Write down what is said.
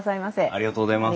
ありがとうございます。